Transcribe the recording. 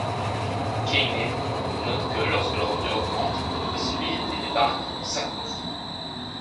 Keynes note que, lorsque le revenu augmente, les possibilités d'épargne s'accroissent.